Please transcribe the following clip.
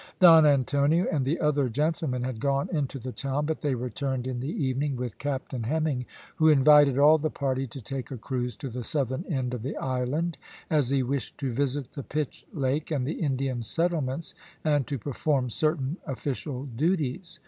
Don Antonio and the other gentlemen had gone into the town but they returned in the evening with Captain Hemming, who invited all the party to take a cruise to the southern end of the island, as he wished to visit the Pitch Lake and the Indian settlements, and to perform certain official duties.